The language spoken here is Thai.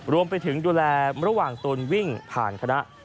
รวมไปถึงดูแลระหว่างตนวิ่งผ่านคณะ